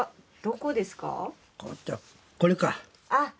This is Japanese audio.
これか。